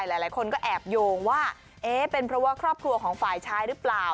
หลายคนก็แอบโยงว่าเอ๊ะเป็นเพราะว่าครอบครัวของฝ่ายชายหรือเปล่า